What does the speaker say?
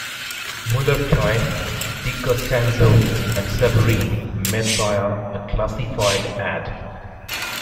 Muller-Thym, DiCostanzo, and Sabourin met via a classified ad.